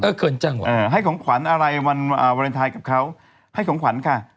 เกินจังหวะให้ของขวัญอะไรวันวาเลนไทยกับเขาให้ของขวัญค่ะ